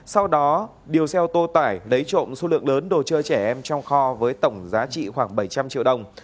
sau đó điều xe ô tô tải lấy trộm số lượng lớn đồ chơi trẻ em trong kho với tổng giá trị khoảng bảy trăm linh triệu đồng